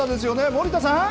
森田さん。